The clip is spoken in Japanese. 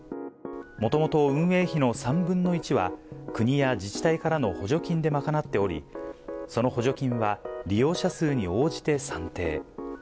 もともと、運営費の３分の１は、国や自治体からの補助金で賄っており、その補助金は利用者数に応じて算定。